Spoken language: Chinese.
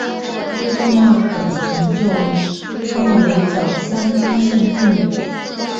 最重要的成就为莫雷角三分线定理。